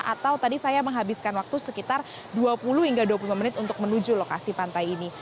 atau tadi saya menghabiskan waktu sekitar dua puluh hingga dua puluh lima menit untuk menuju lokasi pantai ini